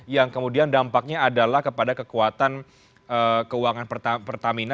yang kemudian dampaknya adalah kepada kekuatan keuangan pertamina